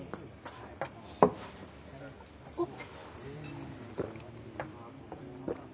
あっ。